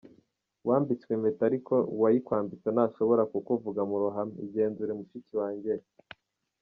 Wambitswe impeta ariko uwayikwambitse ntashobora kukuvuga mu ruhame, igenzure mushiki wanjye.